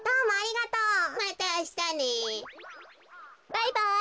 バイバイ。